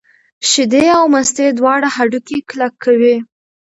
شیدې او مستې دواړه هډوکي کلک کوي.